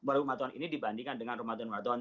bulan ramadan ini dibandingkan dengan ramadan